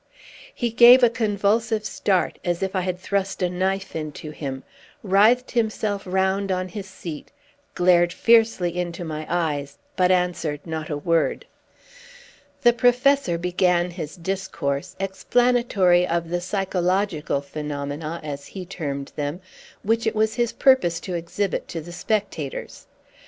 He gave a convulsive start, as if I had thrust a knife into him, writhed himself round on his seat, glared fiercely into my eyes, but answered not a word. The Professor began his discourse, explanatory of the psychological phenomena, as he termed them, which it was his purpose to exhibit to the spectators.